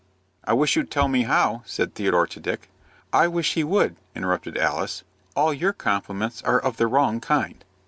"I wish you'd tell me how," said Theodore to Dick. "I wish he would," interrupted Alice. "All your compliments are of the wrong kind."